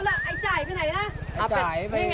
มีเมียใหม่แล้วล่ะไอ้จ่ายไปไหนล่ะ